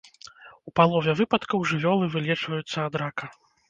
У палове выпадкаў жывёлы вылечваюцца ад рака.